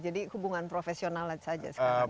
jadi hubungan profesional aja sekarang